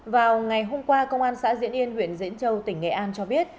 vào ngày hôm qua công an xã diễn yên huyện diễn châu tỉnh nghệ an cho biết